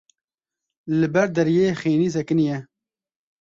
Li ber deriyê xênî sekiniye.